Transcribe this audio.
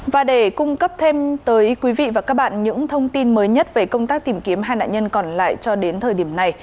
và để cung cấp thêm tới quý vị và các bạn những thông tin mới nhất về công tác tìm kiếm hai nạn nhân còn lại cho đến thời điểm này